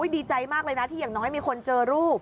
ดีใจมากเลยนะที่อย่างน้อยมีคนเจอรูป